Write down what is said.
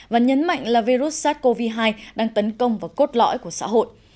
và nhấn mạnh là virus sars cov hai đang tấn công vào cốt lõi của xã hội